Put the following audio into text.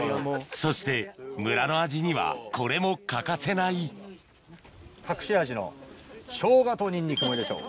そして村の味にはこれも欠かせない隠し味のショウガとニンニクも入れちゃおう。